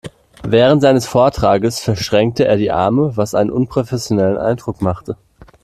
Während seines Vortrages verschränkte er die Arme, was einen unprofessionellen Eindruck machte.